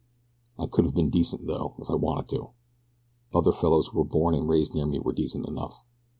"I could have been decent, though, if I'd wanted to. Other fellows who were born and raised near me were decent enough.